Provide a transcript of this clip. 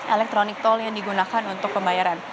elektronik tol yang digunakan untuk pembayaran